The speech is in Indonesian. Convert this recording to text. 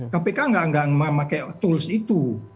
kpk nggak memakai tools itu